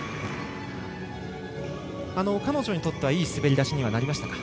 彼女にとってはいい滑り出しにはなりましたか。